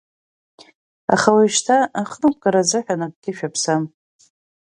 Аха уажәшьҭа ахныҟәгара азыҳәан акгьы шәаԥсам.